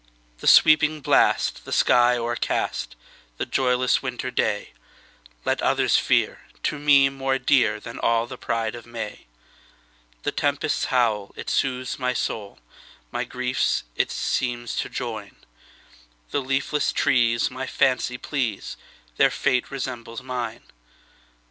"The sweeping blast, the sky o'ercast,"The joyless winter dayLet others fear, to me more dearThan all the pride of May:The tempest's howl, it soothes my soul, My griefs it seems to join; The leafless trees my fancy please, Their fate resembles mine!